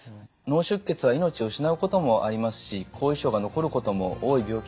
脳出血は命を失うこともありますし後遺症が残ることも多い病気です。